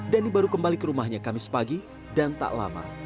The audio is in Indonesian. dhani baru kembali ke rumahnya kamis pagi dan tak lama